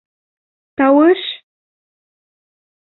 Тауыш!..